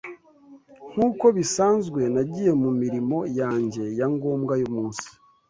nk’uko bisanzwe nagiye mu mirimo yanjye ya ngombwa y’umunsi